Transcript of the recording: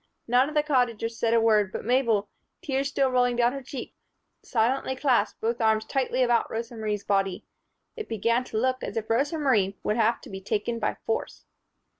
None of the Cottagers said a word; but Mabel, tears still rolling down her cheeks, silently clasped both arms tightly about Rosa Marie's body. It began to look as if Rosa Marie would have to be taken by force.